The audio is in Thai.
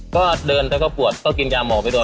ก็เดินแล้วก็ปวดก็กินยาหมอไปด้วย